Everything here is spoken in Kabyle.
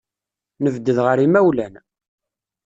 Nebded ɣer yimawlan.